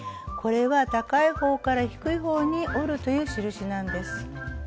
これは「高い方から低い方に折る」という印なんです。